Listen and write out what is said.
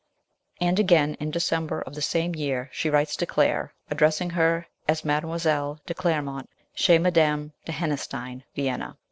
And again in December of the same year she writes to Claire, addressing her as Mdlle. de Clairmont, chez Mdme. de Hennistein, Vienna.